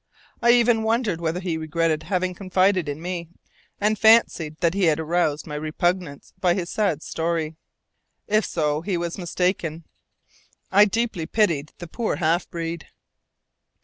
I even wondered whether he regretted having confided in me, and fancied that he had aroused my repugnance by his sad story. If so, he was mistaken; I deeply pitied the poor half breed.